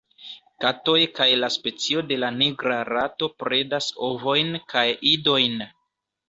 Katoj kaj la specio de la Nigra rato predas ovojn kaj idojn.